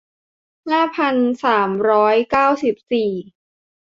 ห้าพันสามร้อยเก้าสิบสี่